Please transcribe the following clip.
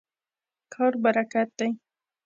کار برکت دی.